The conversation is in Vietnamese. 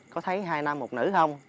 có thấy hai nam một nữ không